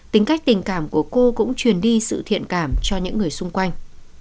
tính cách tình cảm của cô cũng truyền đi sự thiện cảm cho những người xung quanh